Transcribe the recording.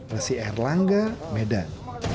nesir langga medan